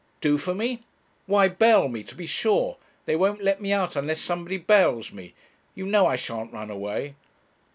'Do for me! Why, bail me, to be sure; they won't let me out unless somebody bails me. You know I shan't run away.'